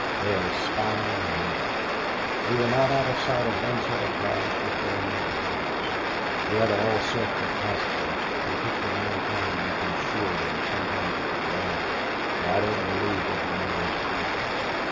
They are spy mad. We were not out of sight of one set of guards before another had us. We had all sorts of passports, but they took their own time making sure and sometimes it was long, for I don't believe they could always read.